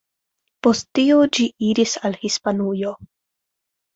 Post tio ĝi iris al Hispanujo.